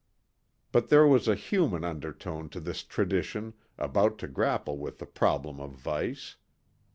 But there was a human undertone to this Tradition about to grapple with the problem of Vice.